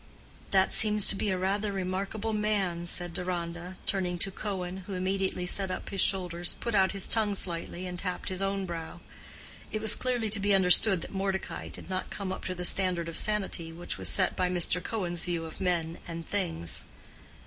"That seems to be rather a remarkable man," said Deronda, turning to Cohen, who immediately set up his shoulders, put out his tongue slightly, and tapped his own brow. It was clearly to be understood that Mordecai did not come up to the standard of sanity which was set by Mr. Cohen's view of men and things.